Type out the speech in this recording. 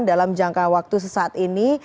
dalam jangka waktu sesaat ini